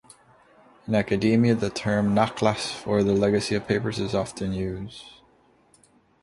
In academia, the German term "Nachlass" for the legacy of papers is often used.